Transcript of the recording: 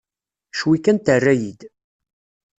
Cwi kan terra-yi-d.